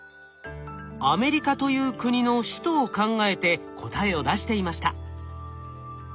アメリカという国の首都を考えて答えを出していました。